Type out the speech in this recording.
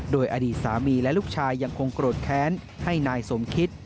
โดยอดีตสามีและลูกชายยังคงโกรธแค้นให้นายสมคิต